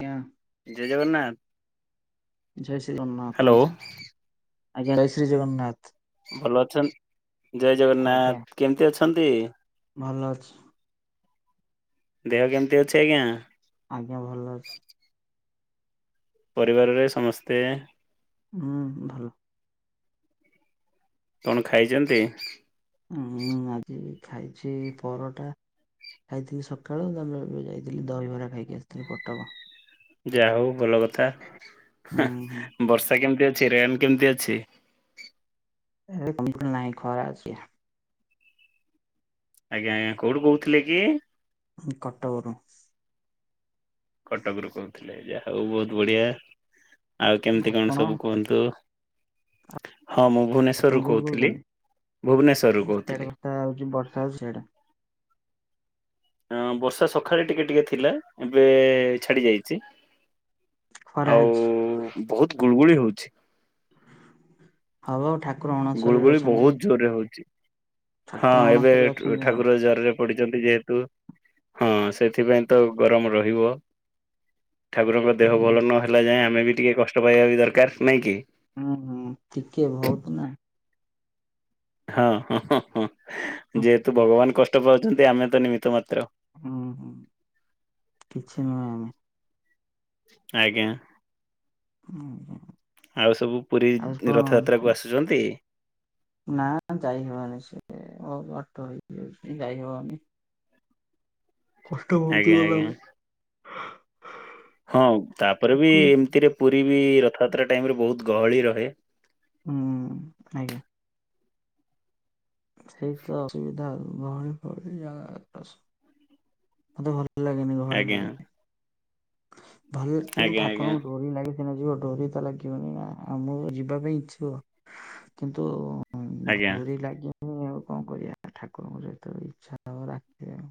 ଆଜ୍ଞା। ଜୟ ଜଗନ୍ନାଥ। ଜୟ ଶ୍ରୀ ଜଗନ୍ନାଥ ହ୍ୟାଲୋ କୁହନ୍ତୁ ଆଜ୍ଞା ଜୟ ଶ୍ରୀ ଜଗନ୍ନାଥ। ଭଲ ଅଛନ ଜୟ ଆଜ୍ଞା। ଜଗନ୍ନାଥ କେମିତି ଅଛନ୍ତି? ଭଲ ଅଛି। ଦେହ କେମିତି ଅଛି ଆଜ୍ଞା? ଆଜ୍ଞା ଭଲ ଅଛି। ପରିବାରରେ ସମସ୍ତେ। ହୁଁ ଭଲ କଣ ଖାଇଛନ୍ତି? ମୁଁ ଆଜି ଖାଇଛି ପରଟା। ଖାଇଥିଲି ସକାଳୁ ତାପରେ ଏବେ ଯାଇଥିଲି ଦହିବରା ଖାଇକି ଆସିଥିଲି କଟକ। ଯାହା ହଉ ଭଲ କଥା ହାଁ ହୁଁ ହୁଁ। ବର୍ଷା କେମିତି ଅଛି ରେନ୍ କେମିତି ଅଛି? ଏହେ ବିଲକୁଲ ନାହିଁ ଖରା ଅଛି ଆ ଆଜ୍ଞା ଆଜ୍ଞା କଉଠୁ କହୁଥିଲେ କି? ଉଁ କଟକ ରୁ। କଟକରୁୁ କହୁଥିଲେ ଯାହା ହଉ ବହୁତ ବଢିଆ। ଆଉ କେମିତି ଆପଣ କଣ ସବୁ କୁହନ୍ତୁ? ହଁ ମୁଁ ଆପଣ ଭୁବନେଶ୍ଵରରୁୁ କୋଉଠୁ କହୁଥିଲି କହୁଛନ୍ତି? ଭୁବନେଶ୍ୱରୁୁ ସିଆଡେ କହୁଥିଲି। ବର୍ଷା ହଉଛି ବର୍ଷା ସିଆଡ଼େ। ହଁ ବର୍ଷା ସକାଳେ ଟିକେ ଟିକେ ଥିଲା ଏବେ ଛାଡି ଯାଇଛି। ଖରା ଆଉ ହେଇଛି। ବହୁତ ଗୁଳୁଗୁଳି ହଉଛି। ହ ବା ଆଉ ଠାକୁର ଅଣସରରେ ଗୁଳୁଗୁଳି ଅଛନ୍ତି ବହୁତ ଜୋରରେ ହଉଛି ଠାକୁର ହଁ ଏବେ ଅଣସରରେ ଅଛନ୍ତି ଆଉ। ଠ-ଠାକୁର ଜରରେ ପଡିଛନ୍ତି ଯେହେତୁ ହଁ ସେଥିପାଇଁ ତ ଗରମ ରହିବ। ଠାକୁରଙ୍କ ଦେହ ଭଲ ହୁଁ ନହେଲା ଯାଏଁ ଆମେ ବି ଟିକେ କଷ୍ଟ ପାଇବା ବି ଦରକାର ନାହିଁ କି? ହୁଁ ହୁଁ ଟିକେ ବହୁତ ନା। ହଁ ହଁ ହଁ ହଁ ଯେହେତୁ ଭଗବାନ କଷ୍ଟ ପାଉଛନ୍ତି ଆମେ ତ ନିମିତ୍ ମାତ୍ର। ହୁଁ ହୁଁ କିଛି ନୁହେଁ ଆମେ ଆଜ୍ଞା ହୁଁ ଆଉ ସବୁ ପୁରୀ ଆଉ କଣ ରଥଯାତ୍ରା କୁ ଆସୁ ଆସୁଛନ୍ତି। ନା ଯାଇ ହବନି ସେ ବହୁତ ବାଟ ହେଇଯାଉଚି ଯାଇ ହବନି। କଷ୍ଟ ବହୁତୁ ଆଜ୍ଞା ଭଲ ଆଜ୍ଞା। ବି। ହଁ ତାପରେ ବି ଠାକୁର। ଏମିତିରେ ପୁରୀ ବି ରଥଯାତ୍ରା ଟାଇମରେ ବହୁତ ଗହଳି ରହେ। ହୁଁ ଆଜ୍ଞା। ସେଇ ତ ଅସୁବିଧା ଗହଳି ଫହଳି ଜାଗା ତ ମତେ ଭଲ ଲାଗେନି ଗହଳି ଆଜ୍ଞା ଫହଳି ଭଲ ଆଜ୍ଞା ଆଜ୍ଞା। ଠାକୁରଙ୍କୁ ଡୋରି ଲାଗେ ହେ ନ ଯିବ ଡୋରି ତା ଲାଗିବନି ଆ ଆମ ଯିବା ପାଇଁ ଇଚ୍ଛୁକ କିନ୍ତୁ ହଁ ଆଜ୍ଞା ଡୋରି ଲାଗିବନି ଆଉ କଣ କରିବା ଠାକୁରଙ୍କ ଯେତେବେଳେ ଇଚ୍ଛା ହବ ଡାକିବେ ଆଉ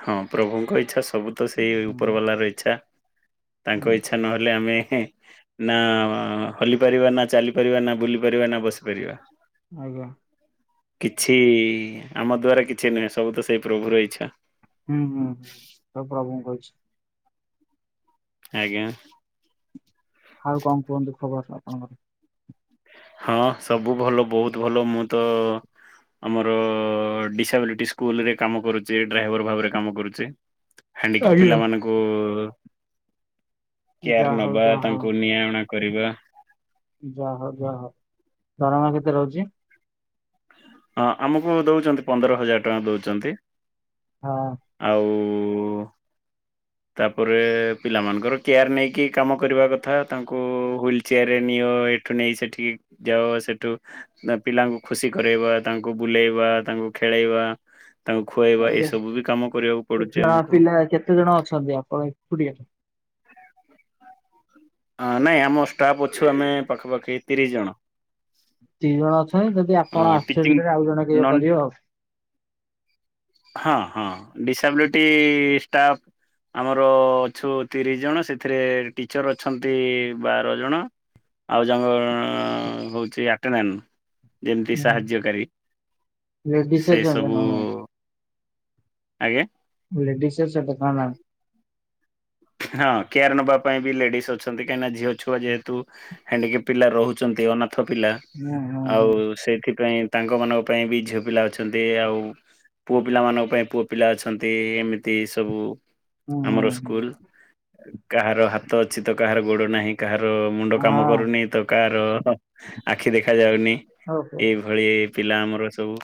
ହଁ ପ୍ରଭୁଙ୍କ ଇଚ୍ଛା ସବୁ ତ ସେଇ ହୁଁ। ଉପର ବାଲାର ଇଚ୍ଛା ତାଙ୍କ ହୁଁ ଇଚ୍ଛା ନହେଲେ ଆମେ ନା ହଲିପାରିବା ନା ଚାଲିପାରିବା ନା ବୁଲି ପାରିବା ନା ବସିପାରିବା। ଆଜ୍ଞା। କିଛି ଆମ ଦ୍ଵାରା କିଛି ନୁହେଁ ସବୁ ତ ସେଇ ପ୍ରଭୁର ଇଚ୍ଛା। ହୁଁ ହୁଁ ହୁଁ ସବୁ ପ୍ରଭୁଙ୍କ ଇଛା। ଆଜ୍ଞା। ଆଉ କଣ କୁହନ୍ତୁ ଖବର ସବୁ ଆପଣଙ୍କର? ହଁ ସବୁ ଭଲ ବହୁତ ଭଲ ମୁଁ ତ ଆମର ଡିସାବିଲିଟି ସ୍କୁଲ ରେ କାମ କରୁଛି ଡ୍ରାଇଭର ଭାବରେ କାମ କରୁଛି। [inaudible] ହାଣ୍ଡିକେପ ଆଜ୍ଞା। ପିିଲାମାନଙ୍କୁ ଯାହା କେୟାର ହଉ ନବା ଯାହା ହଉ ତାଙ୍କୁ ନିଆଁ ଅଣା କରିବା। ଯାହା ହଉ ଯାହା ହଉ ଦରମା କେତେ ରହୁଛି? ହଁ ଆମକୁ ଦଉଛନ୍ତି ପନ୍ଦର ହଜାର ଟଙ୍କା ଦଉଛନ୍ତି ହଁ ଆଉ ତାପରେ ପିଲାମାନଙ୍କର କେୟାର ନେଇକି କାମ କରିବା କଥା ତାଙ୍କୁ ହ୍ୱିଲ୍ ଚେୟାରରେ ନିଅ ଏ ସେଠୁ ନେଇ ସେଠିକି ଯାଅ ସେଠୁ ପିଲାଙ୍କୁ ଖୁସି କରେଇବା ତାଙ୍କୁ ବୁଲେଇବା ତାଙ୍କୁ ଖେଳେଇବା ତାଙ୍କୁ ଖୁଆଇବା ଆଜ୍ଞା ଏସବୁ ବି କାମ କରିବାକୁ ପଡୁଛି କେତେ ଆମକୁ। ପିଲା କେତେ ଜଣ ଅଛନ୍ତି ଆପଣ ଏକୁଟିଆ? ନାଇଁ ଆମ ଷ୍ଟାଫ୍ ଅଛୁ ଆମେ ପାଖାପାଖି ତିରିଶ ଜଣ। ଏତିକି ଜଣ ଅଛନ୍ତି ଯଦି ହଁ ଆପଣ ଟିଚିଂ ଆବ୍ସେଣ୍ଡ ରେ ଆଉ ଜଣେ କିଏ ନନ୍ କରିବ ଆଉ। ହଁ ହଁ ଡିସାବିଲିଟି ଷ୍ଟାଫ୍ ଆମର ଅଛୁ ତିରିଶ ଜଣ ସେଥିରେ ଟିଚର ଅ ଅଛନ୍ତି ବାର ଜଣ ଆଉ ଜଣକ ହଉଛି [unintelligible] ଯେମିତି ସାହାଯ୍ୟକାରୀ ଲେଡିସ୍ ସେଇ ଅଛନ୍ତି ସବୁ ନା କଣ ଆଜ୍ଞା ଲେଡିସ [unintelligible] ହଁ କେୟାର ନବା ପାଇଁ ବି ଲେଡିସ୍ ଅଛନ୍ତି କାହିଁକିନା ଝିଅ ଛୁଆ ଯେହେତୁ ହେଣ୍ଡିକେପ ପିଲା ରହୁଛନ୍ତି ଅନାଥ ପିଲା ହୁଁ ହୁଁ ଆଉ ସେଇଥିପାଇଁ ତାଙ୍କ ମାନଙ୍କ ପାଇଁ ବି ଝିଅ ପିଲା ଅଛନ୍ତି ଆଉ ପୁଅ ପିଲାମାନଙ୍କ ପାଇଁ ପୁଅ ପିଲା ଅଛନ୍ତି ଏମିତି ସବୁ ହୁଁ ହୁଁ ଆମର ହୁଁ ହୁଁ ସ୍କୁଲ। କାହାର ହାତ ଅଛି ତ କାହାର ଗୋଡ଼ ନାହିଁ। କାହାର ମୁଣ୍ଡ ହଁ କାମ କରୁନି ତ କାହାର ଆଖି ଦେଖାଯାଉନି ହଉ ହଉ ଏ ଭଳି ପିଲା ଆମର ସବୁ।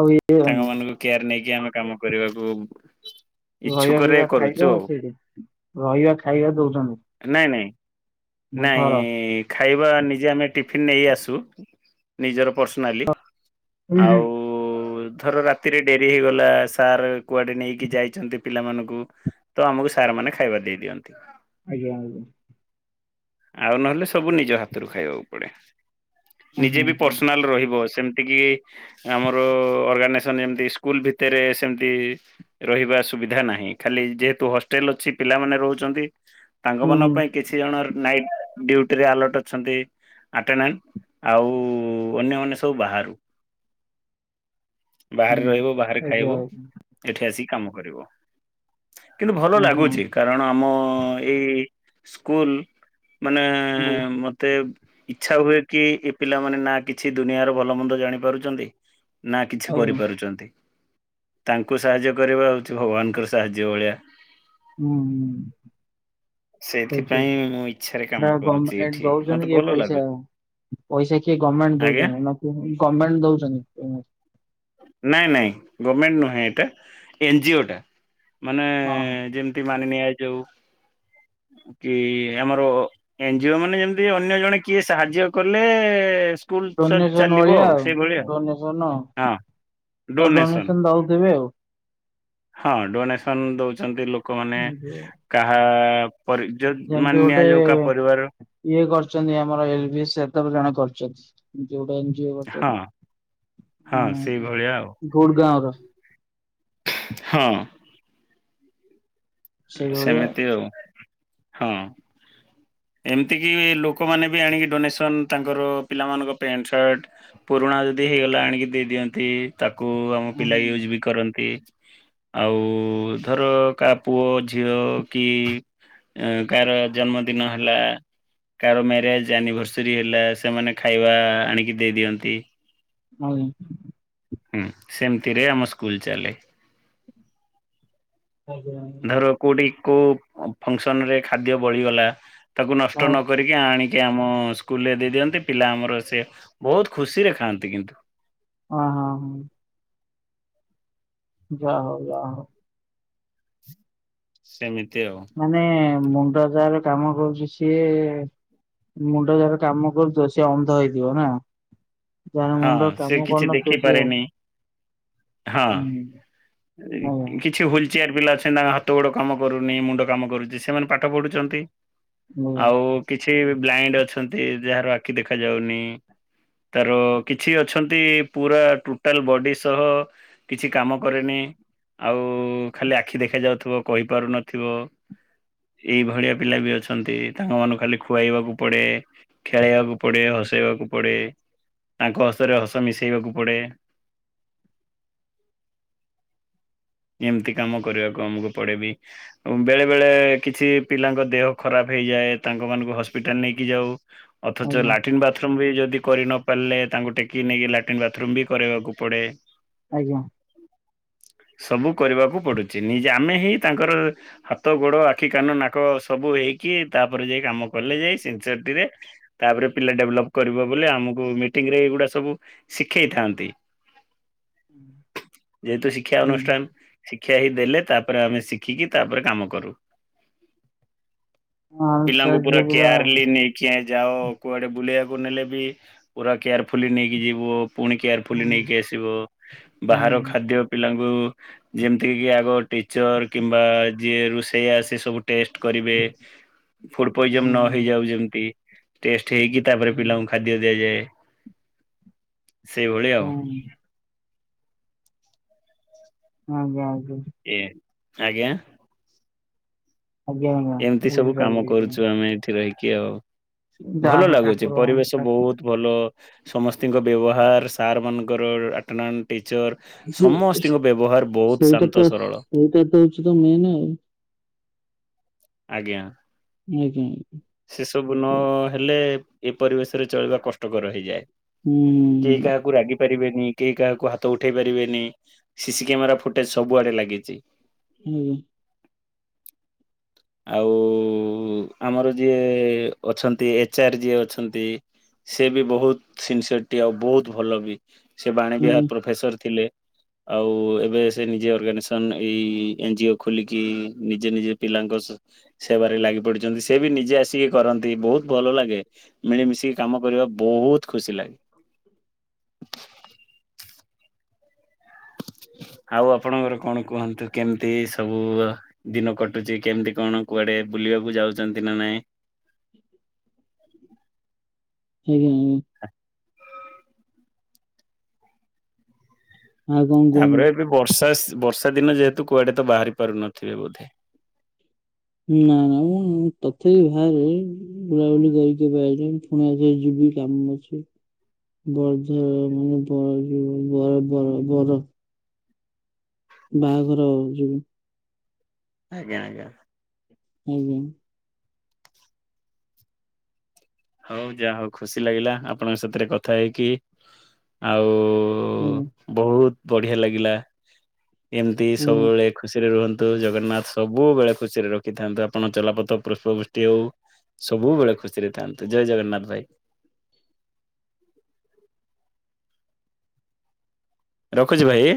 ଆଉ ଏ ତାଙ୍କ ମାନଙ୍କୁ କେୟାର ନେଇକି ଆମେ କାମ କରିବାକୁ ରହିବା ଇଚ୍ଛୁକରେ ପିଇବା କରୁଛୁ ଖାଇବା ଆଉ ସେଇଠି ରହିବା ଖାଇବା ଦଉଛନ୍ତି। ନହିଁ ନହିଁ ନା ଘର? ନାଇ ଖାଇବା ନିଜେ ଆମେ ଟିଫିନ୍ ନେଇ ଆସୁ ନିଜର ପର୍ସନାଲି ଆଉ ଓ ଧର ରାତିରେ ଡେରି ହେଇଗଲା ସାର୍ କୁଆଡ଼େ ନେଇକି ଯାଇଛନ୍ତି ପିଲାମାନଙ୍କୁ ତ ଆମକୁ ସାର୍ ମାନେ ଖାଇବା ଦେଇ ଦିଅନ୍ତି। ଆଜ୍ଞା ଆଜ୍ଞା। ଆଉ ନହେଲେ ସବୁ ନିଜ ହାତରୁ ଖାଇବାକୁ ପଡେ। ହୁଁ ନିଜେ ହୁଁ ବି ହୁଁ ପର୍ସନାଲ ରହିବ ସେମିତି କି ଏ ଆମର ଅର୍ଗାନାଇଜେସନ୍ ଯେମତି ସ୍କୁଲ ଭିତରେ ସେମତି ରହିବା ସୁବିଧା ନାହିଁ ଖାଲି ଯେହେତୁ ହଷ୍ଟେଲ ଅଛି ପିଲାମାନେ ରହୁଛନ୍ତି। ତାଙ୍କ ମନଙ୍କ ହୁଁ। ପାଇଁ କିଛି ଜଣର ନାଇଟ୍ ଡୁଟିରେ ଆଲର୍ଟ୍ ଅଛନ୍ତି। ଆଟେଣ୍ଡଣ୍ଟ ଆଉ ଅନ୍ୟମାନେ ସବୁ ବାହାରୁ ଁ ବାହାରେ ରହିବ ବାହାରେ ଖାଇବ। ଏଠି ଆସିକି କାମ କରିବୁ କିନ୍ତୁ ଭଲ ଲାଗୁଛି କା ରଣ ଆମ ଏଇ ସ୍କୁଲ ମାନେ ମତେ ଇଚ୍ଛା ହୁଏ କି ଏ ପିଲାମାନେ ନା କିଛି ଦୁନିଆର ଭଲ ମନ୍ଦ ଜାଣିପାରୁଛନ୍ତି। ନା କିଛି କରିପାରୁଛନ୍ତି। ତାଙ୍କୁ ସାହାଯ୍ୟ କରିବା ହଉଛି ଭଗବାନ୍ ଙ୍କୁ ସାହାଯ୍ୟ କରିବା। ହୁଁ ହୁଁ ସେଇଥିପାଇଁ [unintelligible] ମୁଁ ଇଚ୍ଛାରେ କାମ କରୁଛି [unintelligible] ଏଠି ମତେ ଦଉଛନ୍ତି କେ ଭଲ ପଇସା ଲାଗୁଛି ପଇସା କିଏ ଆଜ୍ଞା ଗର୍ଣ୍ଣମେଣ୍ଟ? ନାଇଁ ନାଇଁ ଗମେଣ୍ଟ ନୁହେଁ ଏଟା ଏନ ଜି ଓ ଟା। ମାନେ ଯେମିତି ମାନିନିଆ ଯାଉ କି ଆମର ଏନ ଜି ଓ ମାନେ ଯେମତି ଅନ୍ୟ ଜଣେ କିଏ ସାହାଯ୍ୟ କଲେ ସ୍କୁଲ ଡୋନେସନ ଚାଲିବ ଭଳିଆ ଆଉ ସେଇଭଳିଆ ଡୋନେସନ ହଁ ଆ ତ ଡୋନେସନ ଦଉଥିବେ ଆଉ। ହଁ ଡୋନେସନ ଦଉଛନ୍ତି ଲୋକମାନେ ଯୋଉ କାହା ମୋର ଇଜ୍ଜତ ଯେମିତି ମାନେ ଗୋଟେ ନିଆଯାଉ କା ପରିବାରର ଇଏ କରିଛନ୍ତି ଆମର ଏଲ ବି ସେତେବେ ଜଣେ କରିଚନ୍ତି, ଯୋଉଟା ହଁ ହଁ ସେଇଭଳିଆ ଆଉ। [unintelligible] ଗୋଡ [unintelligible] ହଁ। ସେଇଭଳିଆ। ସେମିତି ଆଉ ହଁ ଏମିତି କି ବି ଲୋକମାନେ ବି ଆଣିକି ଡୋନେସନ ତାଙ୍କର ପିଲାମାନଙ୍କ ପ୍ୟାଣ୍ଟ ସାର୍ଟ ପୁରୁଣା ଯଦି ହେଇଗଲା ଆଣିକି ଦେଇ ଦିଅନ୍ତି, ତାକୁ ଆମ ହୁଁ ପିଲା ହୁଁ, ୟୁଜ ବି କରନ୍ତି। ଆଉ ଧର କା ପୁଅ ଝିଅ କି କି? କାର ଜନ୍ମଦିନ ହେ ହେଲା କାର ମ୍ୟାରେଜ ଆନିଭର୍ସରୀ ହେଲା ସେମାନେ ଖାଇବା ଆଣିକି ଦେଇ ଦିଅନ୍ତି। ହଉ। ହୁଁ ସେମିତିରେ ଆମ ସ୍କୁଲ ଚାଲେ। ଆଜ୍ଞା। ଧର କୋଉଠି କୋଉ ଫଙ୍କସନରେ ଖାଦ୍ୟ ବଳିଗଲା। ତାକୁ ହଁ ନଷ୍ଟ ନକରିକି ଆଣିକି ଆମ ସ୍କୁ ସ୍କୁଲରେ ଦେଇ ଦିଅନ୍ତି ପିଲା ଆମର ସେ ବହୁତ ଖୁସିରେ ଖାଆନ୍ତି କିନ୍ତୁ। ହୋ ହଁ। ଯା ହଉ ହଁ। ସେମିତି ଆଉ ମାନେ ମୁଣ୍ଡ ଯା ର କାମ କରୁଚି ସିଏ ମୁଣ୍ଡ ଯାର କାମ କରୁଥିବ ସିଏ ଅନ୍ଧ ହେଇଯିବ ନା। ଯାହା ହଁ ମୁଣ୍ଡ ସେ କାମ କିଛି କରୁନ ଖୁସିି ଆ ଦେଖିପାରେନି ହୁଁ। ଆଜ୍ଞା କିଛ। କିଛି ହୁଲଚେୟାର ପିଲା ଅଛନ୍ତି ତାଙ୍କ ହାତ ଗୋଡ଼ କାମ କରୁନି ମୁଣ୍ଡ କାମ କରୁଛି ସେମାନେ ପାଠ ପଢୁଛନ୍ତି। ଆଜ୍ଞା। ଆଉ କିଛି ବ୍ଲାଇଣ୍ଡ ଅଛନ୍ତି, ଯାହାର ଆଖି ଦେଖାଯାଉନି। ତାର କିଛି ଅଛନ୍ତି ପୁରା ଟୋଟାଲ ବଡି ସହ କିଛି କାମ କରେନି ଆଉ ଖାଲି ଆଖି ଦେଖାଯାଉଥିବ କହିପାରୁନଥିବ। ଏଇଭଳିଆ ପିଲା ବି ଅଛନ୍ତି ତାଙ୍କ ମାନଙ୍କୁ ଖାଲି ଖୁଆଇବାକୁ ପଡେ। ଖେଳେଇବାକୁ ପଡେ ହସେଇବାକୁ ପଡ଼େ ତାଙ୍କ ହସରେ ହସ ମିଶେଇବାକୁ ପଡେ। ଏମିତି କାମ କରିବାକୁ ଆମକୁ ପଡେବି। ଉଁ ବେଳେ ବେଳେ କିଛି ପିଲାଙ୍କ ଦେହ ଖରାପ ହେଇଯାଏ ତାଙ୍କ ମାନଙ୍କୁ ହସ୍ପିଟାଲ ନେଇକି ଯାଉ। ଅଥଚ ଆଜ୍ଞା ଲାଟିନ୍ ବାଥ୍ ଥରୁମ୍ ବି ଯଦି କରି ନ ପାରିଲେ ତାଙ୍କୁ ଟେକି ନେଇକି ଲାଟିନ୍ ବାଥରୁମ୍ ବି କରେଇବାକୁ ପଡେ। ଆଜ୍ଞା। ସବୁ କରିବାକୁ ପଡୁଛି ନିଜେ ଆମେ ହିଁ ତାଙ୍କର ହାତ ଗୋଡ ଆଖି କାନ ନାକ ସବୁ ହେଇକି ତାପରେ ଯାଇ କାମ କଲେ ଯାଇ ସିନ୍ସିଅରଟିରେ ତାପରେ ପିଲା ଡେଭଲପ କରିବ ବୋଲି ଆମକୁ ମିଟିଙ୍ଗ ରେ ଏଇଗୁଡା ସବୁ ଶିଖେଇଥାନ୍ତି। ହୁଁ ଯେହେତୁ ଶିକ୍ଷା ଅନୁଷ୍ଠାନ ଶିକ୍ଷା ହିଁ ଦେଲେ ତାପରେ ଆମେ ଶିଖିକି ତାପରେ କାମକରୁ। ହଁ ସେ ପିଲାଙ୍କୁ ପୁରା ଝିଅ ପିଲା କେୟାରଲି ନେଇ କିଏ ଯାଅ କୁଆଡେ ବୁଲେଇବାକୁ ନେଲେ ବି ପୁରା କେୟାରଫୁଲି ନେଇକି ଯିବ। ପୁଣି କେୟାରଫୁଲି ହୁଁ ନେଇକି ଆସିବ ବାହାର ହୁଁ। ଖାଦ୍ୟ ପିଲାଙ୍କୁ ଯେମିତିକ କି ଆଗ ଟିଚର୍ କିମ୍ବା ଯିଏ ରୋଷେଇ ଆସି ସବୁ ଟେଷ୍ଟ କରିବେ। ହ ଫୁଡ ପଇଜନ ନ ହେଇଯାଉ ଯେମତି ଟେଷ୍ଟ ହେଇକି ତାପରେ ହୁଁ ପିଲାଙ୍କୁ ଖା ଦିଆଯାଇ ଯାଏ ସେଇଭଳି ଆଉ। ଆଜ୍ଞା ଆଜ୍ଞା। ଏ ଆଜ୍ଞା ଆଜ୍ଞା ଆଜ୍ଞା। ଏମିତି ସବୁ ବୁଝିପାରିଲି କାମ ବୁଝିପାରିଲି କରୁଚୁ ଆମେ ଏଠି ରହିକି ଆଉ। ଯାହା ଭଲ ହଉ ଲାଗୁଚି ଠାକୁର ପରିବେଶ ବହୁତ। ଭଲ ସମସ୍ତିଙ୍କ ବ୍ୟବହାର ସାର୍ ମାନଙ୍କର ଆଟେଣ୍ଡାଣ୍ଟ ଟିଚର୍ ସେ ସମସ୍ତିଙ୍କ ବ୍ୟବହାର ବହୁତ ଶାନ୍ତ ସରଳ। ସେ ହଉଚି ତ ମେନ୍ ଆଉ। ଆଜ୍ଞା। ଆଜ୍ଞା ଆଜ୍ଞା। ସେ ସବୁ ନ ହେଲେ ଏ ପରିବେଶରେ ଚଳିବା କଷ୍ଟକର ହେଇଯାଏ। କିଏ କାହାକୁ ରାଗି ପାରିବେନି କେହି କାହାକୁ ହାତ ଉଠେଇ ପାରିବେନି ସି ସି କ୍ୟାମେରା ଫୁଟେଜ ସବୁଆଡେ ଲାଗିଚି। ହୁଁ। ଆଉ ଆମର ଯିଏ ଅଛନ୍ତି ଏଚ୍ ଆର୍ ଯିଏ ଅଛନ୍ତି। ସିଏ ବି ବହୁତ ସିନ୍ସିୟରଟି ଆଉ ବହୁତ ଭଲ ବି ସିଏ ବାଣୀ ବିହାର ପ୍ରଫେସର ଥିଲେ। ଆଉ ଏବେ ସେ ନିଜେ ଅର୍ଗାନାଇଜେସନ ଏଇ ଏନ ଜି ଓ ଖୋଲିକି ନିଜେ ନିଜେ ପିଲାଙ୍କ ସ୍ ସେବାରେ ଲାଗି ପଡିଚନ୍ତି। ସେ ବି ନିଜେ ଆସିକି କରନ୍ତି ବହୁତ ଭଲ ଲାଗେ। ମିଳିମିଶିକି କାମ କରିବା ବହୁତ ଖୁସି ଲାଗେ। ଆଉ ଆପଣଙ୍କର କଣ କୁହନ୍ତୁ କେମିତି ସବୁ ଦିନ କଟୁଚି କେମତି କଣ କୁଆଡେ ବୁଲିବାକୁ ଯାଉଚନ୍ତି ନା ନାଇଁ? ଆଜ୍ଞା ଆଜ୍ଞା। ଆଉ କଣ ତାପରେ କୁହନ୍ତୁ? ଏବେ ବର୍ଷା ସ୍ ବର୍ଷା ଦିନ ଯେହେତୁ କୁଆଡେ ତ ବାହାରି ପାରୁନଥିବେ ବୋଧେ? ନା ନା ମୁଁ ତଥାପି ଭାରେ। ଉଁ ବୁଲାବୁଲି କରି କି ଏବେ ଆଇଲି ପୁଣି ଆଉ ଥରେ ଯିବି କାମ ଅଛି। ବରଧରା ମାନେ ବର ଯୋଉ ବର-ବର-ବର। ବାହାଘର ହବ ଯିବୁ। ଆଜ୍ଞା ଆଜ୍ଞା। ଆଜ୍ଞା। ହଉ ଯାହା ହଉ ଖୁସି ଲାଗିଲା ଆପଣଙ୍କ ସାଥିରେ କଥା ହେଇକି। ଆଉ ଉ ଆଜ୍ଞା ବହୁତ ବଢିଆ ଲାଗିଲା। ଏମିତି ଆଜ୍ଞା। ସବୁବେଳେ ଖୁସିରେ ରୁହନ୍ତୁ, ଜଗନ୍ନାଥ ସବୁବେଳେ ଖୁସିରେ ରଖିଥାନ୍ତୁ। ଆପଣ ଚଲାପଥ ପୁଷ୍ପ ବୃଷ୍ଟି ହଉ। ସବୁବେଳେ ଖୁସିରେ ଥାନ୍ତୁ। ଜୟ ଜଗନ୍ନାଥ ଭାଇ। ରଖୁଚି ଭାଇ?